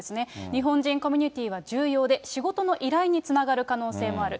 日本人コミュニティは重要で仕事の依頼につながる可能性もある。